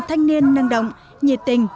thanh niên năng động nhiệt tình